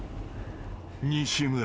［西村。